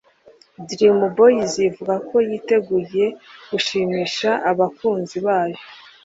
Dream boys ivuga ko yiteguye gushimisha abakunzi bayo